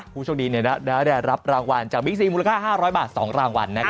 ผู้โชคดีเนี่ยแล้วได้รับรางวัลจากมิกซีมูลค่า๕๐๐บาท๒รางวัลนะครับ